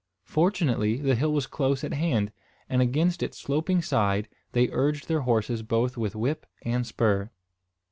Fortunately the hill was close at hand, and against its sloping side they urged their horses both with whip and spur.